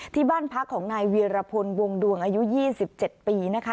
ที่บ้านพักของนายเวียรพลวงดวงอายุ๒๗ปีนะคะ